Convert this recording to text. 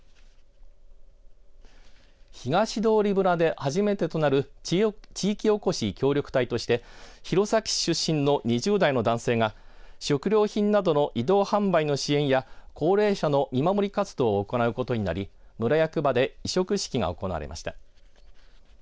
東通村で初めてとなる地域おこし協力隊として弘前市出身の２０代の男性が食料品などの移動販売の支援や高齢者の見守り活動を行うことになり村役場で委嘱式が行われました。